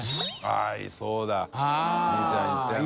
そうだ望結ちゃん行ったよね。